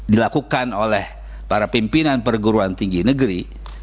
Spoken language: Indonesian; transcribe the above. dilakukan oleh para pimpinan perguruan tinggi negeri